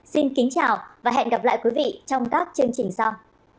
xin kính chào và hẹn gặp lại quý vị trong các chương trình sau